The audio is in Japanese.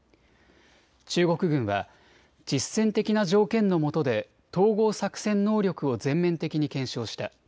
中国軍は実戦的な条件のもとで統合作戦能力を全面的に検証した。